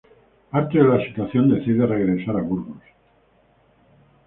Harto de la situación, decide regresar a Burgos.